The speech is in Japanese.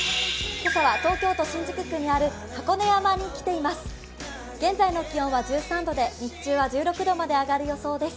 今朝は東京都新宿区にある箱根山に来ています。